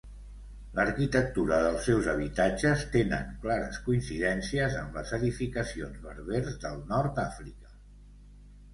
L'arquitectura dels seus habitatges tenen clares coincidències amb les edificacions berbers del nord d'Àfrica.